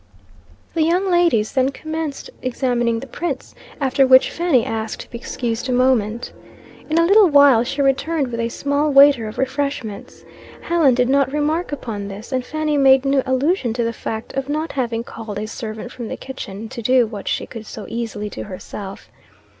The young ladies then commenced examining the prints, after which, Fanny asked to be excused a moment. In a little while she returned with a small waiter of refreshments. Helen did not remark upon this, and Fanny made no allusion to the fact of not having called a servant from the kitchen to do what she could so easily do herself.